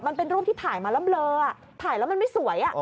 มันเป็นรูปที่ถ่ายมาแล้วเบลอถ่ายแล้วมันไม่สวย